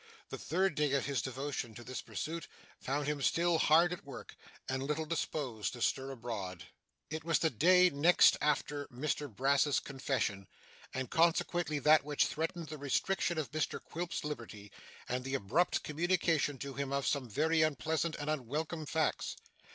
The third day of his devotion to this pursuit found him still hard at work, and little disposed to stir abroad. It was the day next after Mr Brass's confession, and consequently, that which threatened the restriction of Mr Quilp's liberty, and the abrupt communication to him of some very unpleasant and unwelcome facts.